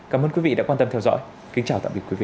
cảm ơn quý vị đã quan tâm theo dõi kính chào tạm biệt quý vị